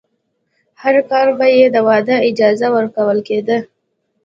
هر کال به یې د واده اجازه ورکول کېده.